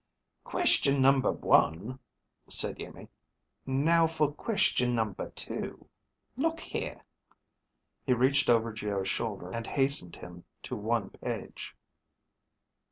"Question number one," said Iimmi. "Now, for question number two. Look here." He reached over Geo's shoulder and hastened him to one page.